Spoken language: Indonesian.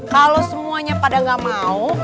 kalau semuanya pada gak mau